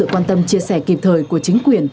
quan tâm chia sẻ kịp thời của chính quyền